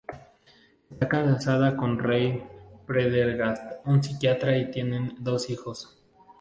Está casada con Ray Prendergast, un psiquiatra, y tienen dos hijos.